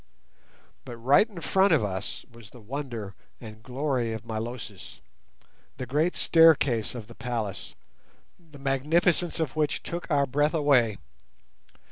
But right in front of us was the wonder and glory of Milosis—the great staircase of the palace, the magnificence of which took our breath away.